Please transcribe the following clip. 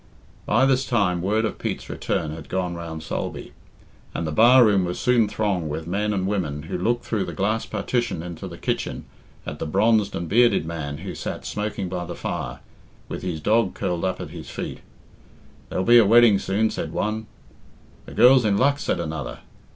By this time word of Pete's return had gone round Sulby? and the bar room was soon thronged with men and women, who looked through the glass partition into the kitchen at the bronzed and bearded man who sat smoking by the fire, with his dog curled up at his feet. "There'll be a wedding soon," said one. "The girl's in luck," said another.